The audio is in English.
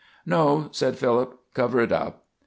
"No," said Philip; "cover it up."